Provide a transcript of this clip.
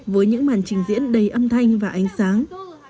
với những màn trình diễn đầy âm thanh và ánh sáng